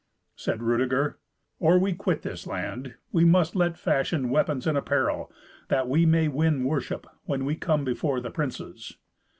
Said Rudeger, "Or we quit this land, we must let fashion weapons and apparel, that we may win worship when we come before the princes.